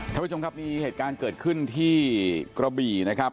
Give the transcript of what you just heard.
ท่านผู้ชมครับมีเหตุการณ์เกิดขึ้นที่กระบี่นะครับ